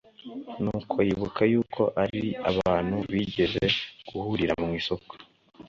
Nuko yibuka yuko ari abantu bigeze guhurira mwisoko